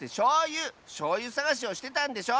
しょうゆさがしをしてたんでしょ！